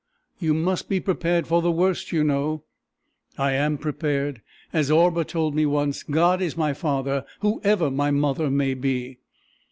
"You must be prepared for the worst, you know!" "I am prepared. As Orba told me once, God is my father, whoever my mother may be!"